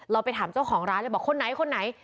ไปถามเจ้าของร้านเลยบอกคนไหนคนไหน